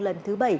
lần thứ bảy